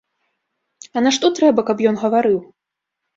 А нашто трэба, каб ён гаварыў?